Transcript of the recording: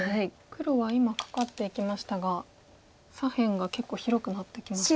黒は今カカっていきましたが左辺が結構広くなってきましたね。